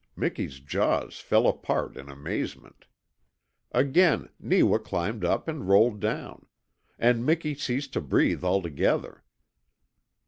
Miki's jaws fell apart in amazement. Again Neewa climbed up and rolled down and Miki ceased to breathe altogether.